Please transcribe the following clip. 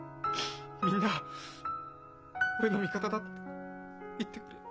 みんな俺の味方だ」って言ってくれよ。